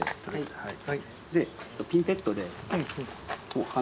はい。